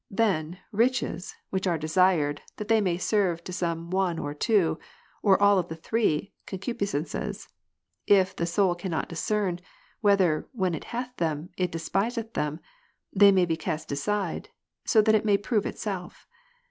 Then, riches, which are desired, that they may serve to some one or two or all of the three concupiscences ^, if the i john soul cannot discern, whether, when it hath them, it despiseth 2. 16. them, they may be cast aside, that so it may prove itself.